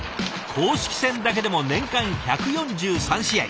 公式戦だけでも年間１４３試合。